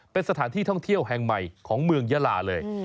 เป็นสถานที่ท่องเที่ยวแห่งใหม่ของเมืองยาลาเลย